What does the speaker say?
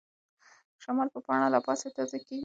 شمال به پاڼه لا پسې تازه کړي.